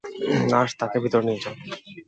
Nurse, তাকে ভিতরে নিয়ে যাও।